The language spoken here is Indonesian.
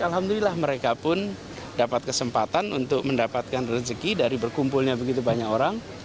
alhamdulillah mereka pun dapat kesempatan untuk mendapatkan rezeki dari berkumpulnya begitu banyak orang